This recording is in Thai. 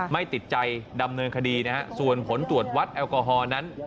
ไม่ติดใจดำเนินคดีนะฮะส่วนผลตรวจวัดแอลกอฮอลนั้น